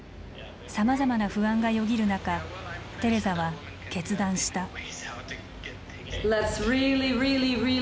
さまざまな不安がよぎる中テレザは決断した。